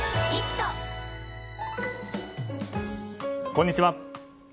こんにちは。